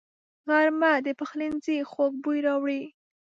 غرمه د پخلنځي خوږ بوی راوړي